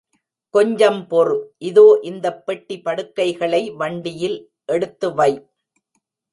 கொஞ்சம் பொறு, இதோ இந்தப் பெட்டி படுக்கைகளை வண்டியில் எடுத்துவை.